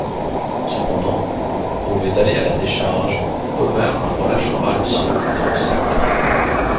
Cependant, au lieu d'aller à la décharge, Homer relâchera le silo dans le lac.